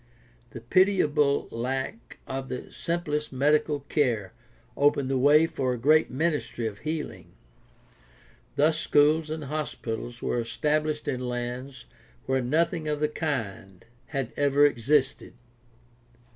The pitiable lack of the simplest medical care opened the way for a great ministry of healing. Thus schools and hospitals were established in lands where nothing of the kind had ever existed.